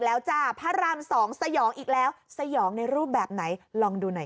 แล้วก็ไอน้ำที่อยู่ใน